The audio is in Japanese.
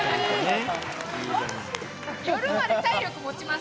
夜まで体力、もちます？